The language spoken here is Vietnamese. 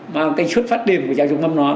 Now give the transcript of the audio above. mà cái xuất phát điểm của giáo dục mâm non